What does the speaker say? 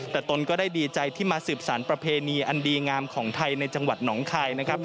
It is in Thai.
แต่ตนก็ได้ดีใจที่มาสืบสารประเพณีอันดีงามของไทยในจังหวัดหนองคายนะครับ